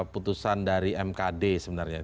putusan dari mkd sebenarnya